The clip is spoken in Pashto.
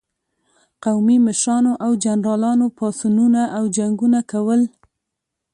قومي مشرانو او جنرالانو پاڅونونه او جنګونه کول.